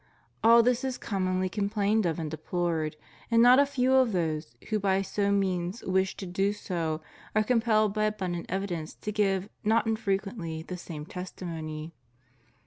All this is commonly com plained of and deplored; and not a few of those who by no means wish to do so are compelled by abundant evi dence to give not infrequently the same testimony.